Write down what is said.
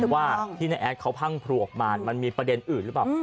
ว่าที่น้าแอดเขาพังพลูออกมามันมีประเด็นอื่นหรือเปล่า